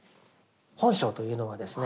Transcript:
本性というのはですね